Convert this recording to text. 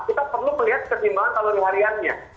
kita perlu melihat ketimbangan kalori hariannya